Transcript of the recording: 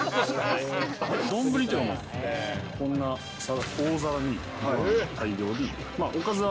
丼というか、こんな大皿に大量に。